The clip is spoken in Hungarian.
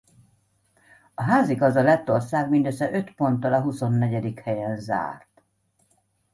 A házigazda Lettország mindössze öt ponttal a huszonnegyedik helyen zárt.